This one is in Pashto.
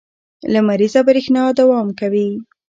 لمریزه برېښنا دوام کوي.